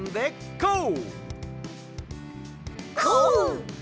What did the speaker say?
こう！